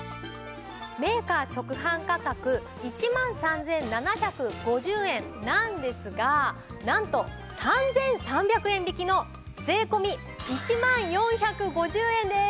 メーカー直販価格１万３７５０円なんですがなんと３３００円引きの税込１万４５０円です。